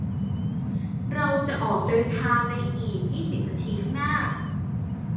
เราจะออกเดินทางในอีกยี่สิบนาทีข้างหน้า